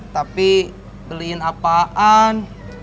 tapi beliin apaan